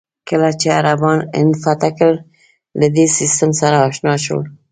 کله چې عربان هند فتح کړل، له دې سیستم سره اشنا شول.